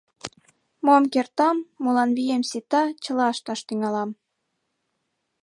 Мом кертам, молан вием сита, чыла ышташ тӱҥалам.